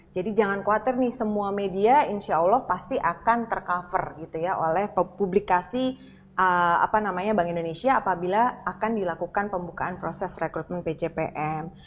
jadi jangan khawatir nih semua media insya allah pasti akan tercover gitu ya oleh publikasi apa namanya bank indonesia apabila akan dilakukan pembukaan proses rekrutmen pcpm